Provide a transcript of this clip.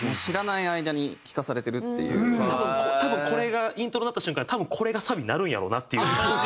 多分これがイントロ鳴った瞬間に多分これがサビになるんやろうなっていう感じを。